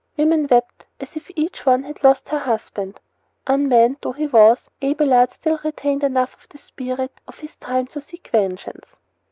Women wept as if each one had lost her husband." Unmanned though he was, Abelard still retained enough of the spirit of his time to seek vengeance.